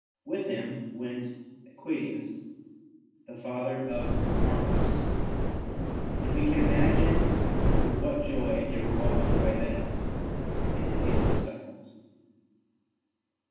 With him went ^Equitius, the father of Maurus, and we can imagine with what joy they were welcomed by Benedict and his 3^oung disciples.